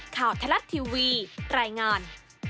ข่าวทลัททีวีแรงงาน